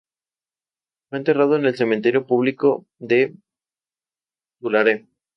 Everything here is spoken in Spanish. Dirigido por Marco Enríquez-Ominami y con elencos rotativos de actores.